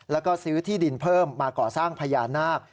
แล้วก็ซื้อที่ดินเพิ่มมาก่อสร้างพญานาค